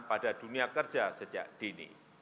pada dunia kerja sejak dini